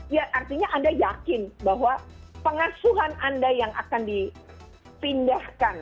ya artinya anda yakin bahwa pengasuhan anda yang akan dipindahkan